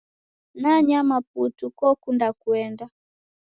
Namanya putu kokunda kuenda